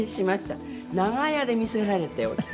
長屋で『魅せられて』をして。